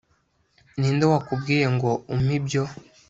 Ninde wakubwiye ngo umpe ibyo